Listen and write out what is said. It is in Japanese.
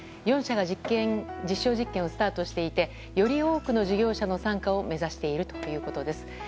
４社が実証実験をスタートしていてより多くの交通事業者の参加を目指しているということです。